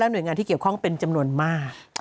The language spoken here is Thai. หน่วยงานที่เกี่ยวข้องเป็นจำนวนมาก